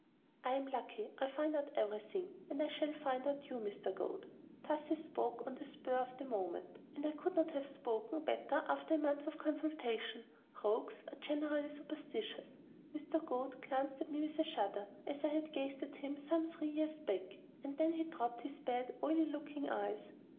"I am lucky; I find out every thing; and I shall find out you, Mr. Goad." Thus I spoke on the spur of the moment, and I could not have spoken better after a month of consultation. Rogues are generally superstitious. Mr. Goad glanced at me with a shudder, as I had gazed at him some three years back; and then he dropped his bad, oily looking eyes.